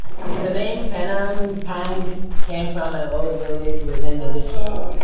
Holland is protected from the sea by a long line of coastal dunes.